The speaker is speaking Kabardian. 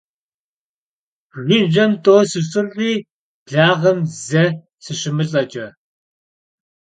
Jjıjem t'eu sışılh'i, blağem ze sışımılh'eç'e.